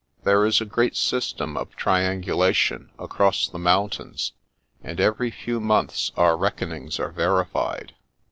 There is a great system of triangulation across the mountains, and every few months our reckonings are verified.